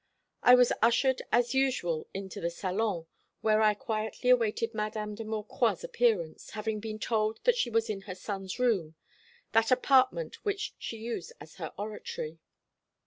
I was ushered as usual into the salon, where I quietly awaited Madame de Maucroix's appearance, having been told that she was in her son's room, that apartment which she used as her oratory.